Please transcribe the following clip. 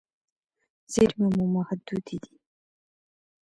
زیرمې مو محدودې دي.